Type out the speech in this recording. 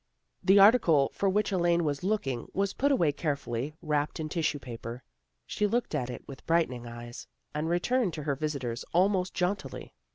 The article for which Elaine was looking was put away carefully, wrapped in tissue paper. She looked at it with brightening eyes, and returned to her visitors almost jauntily.